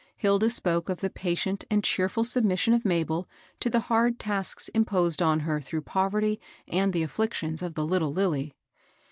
Hilda spoke of the patient and cheei^ submission of Ma bel to the hard tasks imposed on her through poverty and the afflictions of the little Lilly.